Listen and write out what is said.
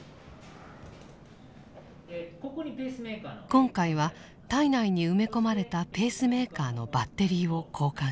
今回は体内に埋め込まれたペースメーカーのバッテリーを交換しました。